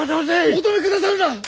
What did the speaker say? お止めくださるな！